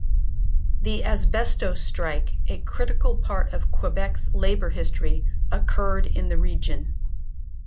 The Asbestos Strike, a critical part of Quebec's labour history, occurred in the region.